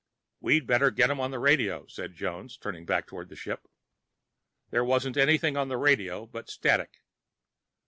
"We'd better get them on the radio," said Jones, turning back toward the ship. There wasn't anything on the radio but static.